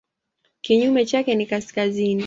Kinyume chake ni kaskazini.